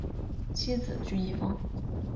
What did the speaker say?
妻子琚逸芳。